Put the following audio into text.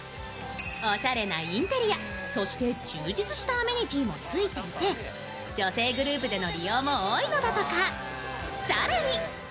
おしゃれなインテリア、そして充実したアメニティもついていて女性グループでの利用も多いのだとか。